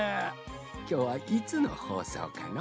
きょうはいつのほうそうかのう？